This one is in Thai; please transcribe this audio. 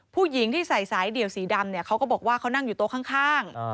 ผู้หญิงที่ใส่สายเดี่ยวสีดำเนี่ยเขาก็บอกว่าเขานั่งอยู่โต๊ะข้าง